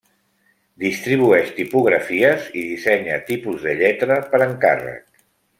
Distribueix tipografies i dissenya tipus de lletra per encàrrec.